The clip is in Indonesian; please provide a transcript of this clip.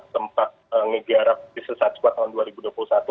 tempat ngegarap di sesat